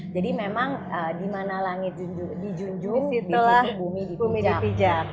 jadi memang dimana langit dijunjung bumi dipijak